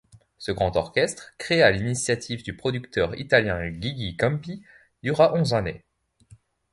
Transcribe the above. Ce grand orchestre, créé à l'initiative du producteur italien Gigi Campi, dura onze années.